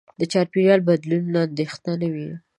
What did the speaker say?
د چاپېریال بدلونونو اندېښنه نه وي.